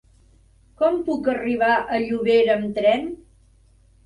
Com puc arribar a Llobera amb tren?